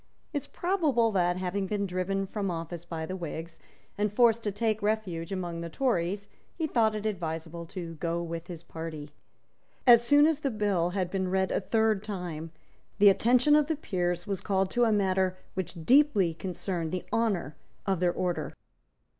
It is probable that, having been driven from office by the Whigs and forced to take refuge among the Tories, he thought it advisable to go with his party. As soon as the bill had been read a third time, the attention of the Peers was called to a matter which deeply concerned the honour of their order.